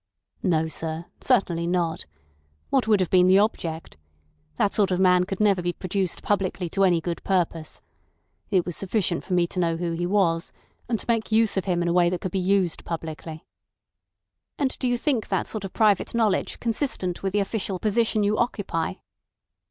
"No, sir; certainly not. What would have been the object? That sort of man could never be produced publicly to any good purpose. It was sufficient for me to know who he was, and to make use of him in a way that could be used publicly." "And do you think that sort of private knowledge consistent with the official position you occupy?"